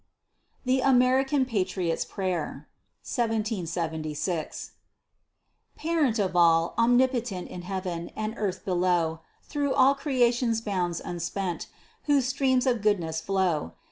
THE AMERICAN PATRIOT'S PRAYER Parent of all, omnipotent In heav'n, and earth below, Thro' all creation's bounds unspent, Whose streams of goodness flow.